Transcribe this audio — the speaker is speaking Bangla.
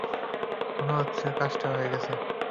মনে হচ্ছে কাজ হয়ে গেছে।